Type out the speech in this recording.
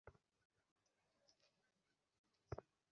আপনি কী দেখেছিলেন?